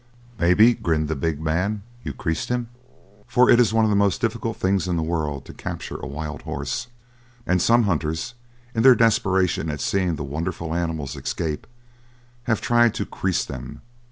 "Maybe," grinned the big man, "you creased him?" For it is one of the most difficult things in the world to capture a wild horse, and some hunters, in their desperation at seeing the wonderful animals escape, have tried to "crease" them.